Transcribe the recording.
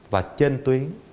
và trên tuyến